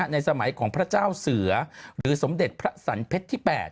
ในสมัยของพระเจ้าเสือหรือสมเด็จพระสันเพชรที่๘